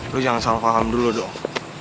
lo jangan salah paham dulu dong